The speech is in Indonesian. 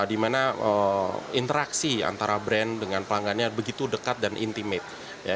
di mana interaksi antara brand dengan pelanggannya begitu dekat dan intimate